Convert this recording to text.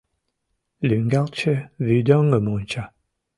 Лӱҥгалтше вӱдоҥым онча.